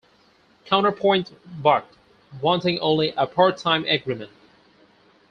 Counterpoint balked, wanting only a part-time agreement.